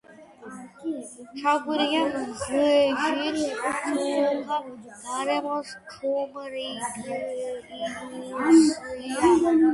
გვანილ ღეჯიქ თქუა: გერს ქომრკინუასია